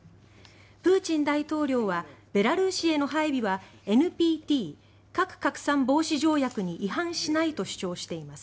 プーチン大統領はベラルーシへの配備はＮＰＴ・核拡散防止条約に違反しないと主張しています。